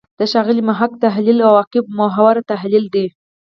د ښاغلي محق تحلیل «عواقب محوره» تحلیل دی.